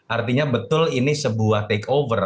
artinya betul ini sebuah take over